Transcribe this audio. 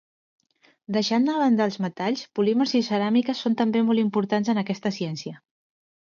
Deixant a banda els metalls, polímers i ceràmiques són també molt importants en aquesta ciència.